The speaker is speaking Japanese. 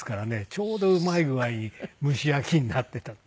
ちょうどうまい具合に蒸し焼きになっていたんです。